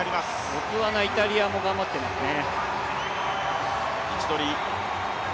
ボツワナ、イタリアも頑張っていますね。